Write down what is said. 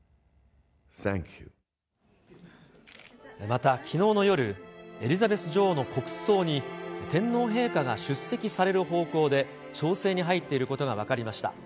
またきのうの夜、エリザベス女王の国葬に、天皇陛下が出席される方向で調整に入っていることが分かりました。